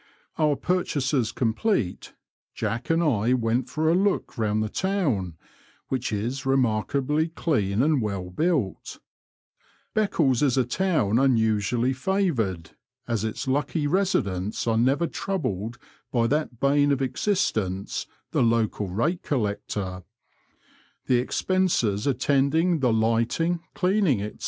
Our purchases complete. Jack and I went for a look round the town, which is remarkably clean and well built, Beccles is a town unusually favoured, as its lucky residents are never troubled by that bane of existence, the local rate collector — the expenses attending the lighting, cleaning, &c.